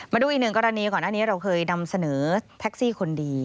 มาดูอีกหนึ่งกรณีก่อนหน้านี้เราเคยนำเสนอแท็กซี่คนดี